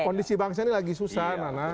kondisi bangsa ini lagi susah nana